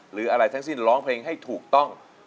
หรืออะไรทั้งสิ้นร้องเพลงให้ถูกต้อง